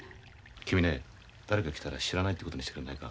君ね誰か来たら知らないってことにしてくれないか？